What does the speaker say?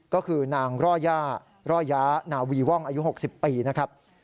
ก็คือนางร่อย่าร่อย้านาวีว่องอายุ๖๐ปีนะครับ